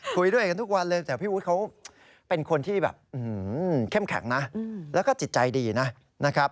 คุยด้วยกันทุกวันเลยแต่พี่อู๊ดเขาเป็นคนที่แบบเข้มแข็งนะแล้วก็จิตใจดีนะครับ